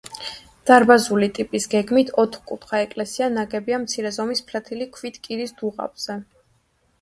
დარბაზული ტიპის, გეგმით ოთხკუთხა ეკლესია ნაგებია მცირე ზომის ფლეთილი ქვით კირის დუღაბზე.